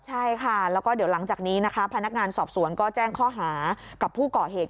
ใช่ค่ะแล้วก็เดี๋ยวหลังจากนี้นะคะพนักงานสอบสวนก็แจ้งข้อหากับผู้ก่อเหตุ